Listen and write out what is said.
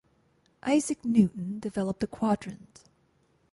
Isaac Newton developed the quadrant.